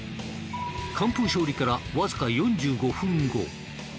完封勝利からわずか４５分後。